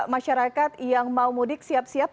masyarakat yang mau mudik siap siap